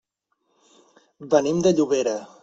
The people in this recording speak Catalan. Venim de Llobera.